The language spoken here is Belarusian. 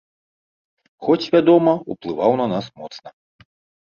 Хоць, вядома, уплываў на нас моцна.